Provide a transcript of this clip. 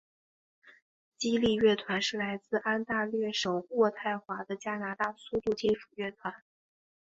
激励乐团是来自安大略省渥太华的加拿大速度金属乐团。